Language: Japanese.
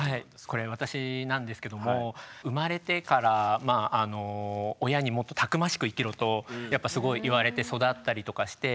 これ私なんですけども生まれてからまああの親にもっとたくましく生きろとやっぱすごい言われて育ったりとかして。